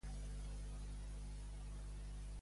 Hi ha gent que combina Castanyada i Halloween.